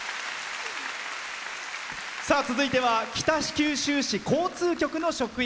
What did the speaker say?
続いては北九州市交通局の職員。